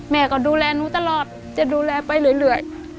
แม่ก็ดูแลหนูตลอดจะดูแลไปเรื่อย